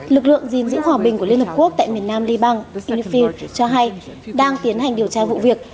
lực lượng dình dữ hòa bình của liên hợp quốc tại miền nam libang unifil cho hay đang tiến hành điều tra vụ việc